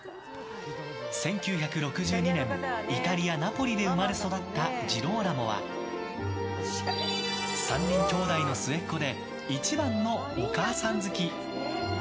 １９６２年、イタリア・ナポリで生まれ育ったジローラモは３人きょうだいの末っ子で一番のお母さん好き。